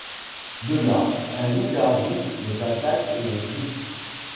De là, un loup-garou les attaque et les griffe.